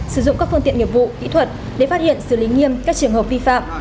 sử dụng các phương tiện nghiệp vụ kỹ thuật để phát hiện xử lý nghiêm các trường hợp vi phạm